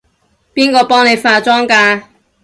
邊個幫你化妝㗎？